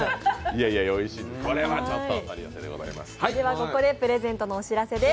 ここでプレゼントのお知らせです。